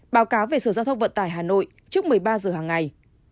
báo cáo về sở giao thông vận tải hà nội trước một mươi ba giờ hàng ngày